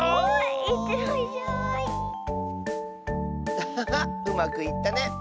アハハうまくいったね！